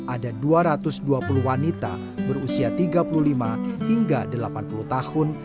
ada dua ratus dua puluh wanita berusia tiga puluh lima hingga delapan puluh tahun